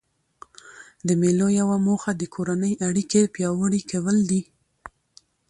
د مېلو یوه موخه د کورنۍ اړیکي پیاوړي کول دي.